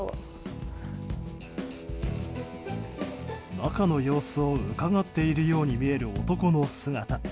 中の様子をうかがっているように見える男の姿。